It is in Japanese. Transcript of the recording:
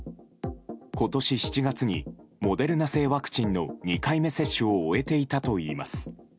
今年７月にモデルナ製ワクチンの２回目接種を終えていたといいます。